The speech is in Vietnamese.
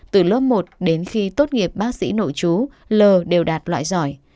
từ lớp một đến khi tốt nghiệp bác sĩ nội chú l đều đạt loại giỏi